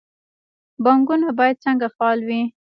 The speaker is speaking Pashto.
بانکونه باید څنګه فعال وي؟